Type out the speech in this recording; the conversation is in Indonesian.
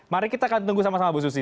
mari kita akan tunggu sama sama bu susi